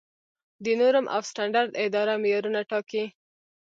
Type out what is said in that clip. د نورم او سټنډرډ اداره معیارونه ټاکي؟